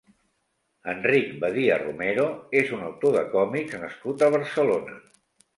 Enric Badia Romero és un autor de còmics nascut a Barcelona.